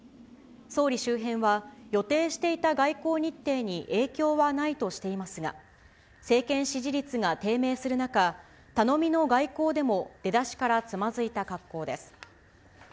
総理周辺は、予定していた外交日程に影響はないとしていますが、政権支持率が低迷する中、頼みの外交でも出だしからつまずいた格好です。